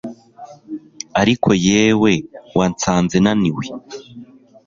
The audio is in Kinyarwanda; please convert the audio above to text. Ariko yewe wansanze naniwe